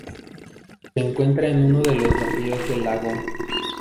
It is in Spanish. Se encuentra en uno de los ríos del lago.